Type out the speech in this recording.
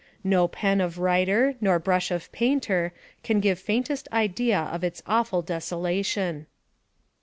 No pen of writer, nor brush of painter, can give the faintest idea of its awful desolation.